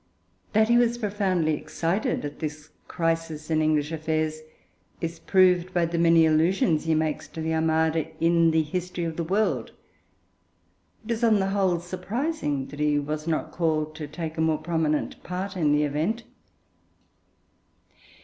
That he was profoundly excited at the crisis in English affairs is proved by the many allusions he makes to the Armada in the History of the World. It is on the whole surprising that he was not called to take a more prominent part in the event.